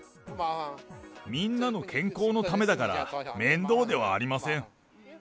みんなの健康のためだから、面倒ではありません。